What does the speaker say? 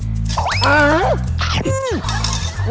เร็ว